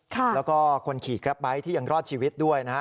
แล้วก็คนขี่แกรปไบท์ที่ยังรอดชีวิตด้วยนะฮะ